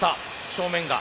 正面が。